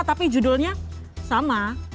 tapi judulnya sama